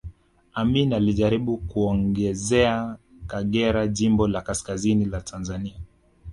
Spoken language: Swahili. Amin alijaribu kuongezea Kagera jimbo la kaskazini la Tanzania